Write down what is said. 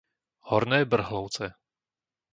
Horné Brhlovce